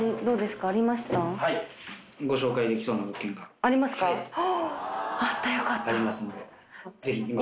ありますんでぜひ。